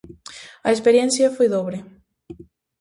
A experiencia foi dobre.